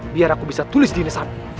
biar aku bisa tulis di lisan